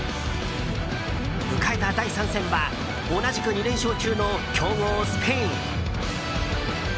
迎えた第３戦は同じく２連勝中の強豪スペイン。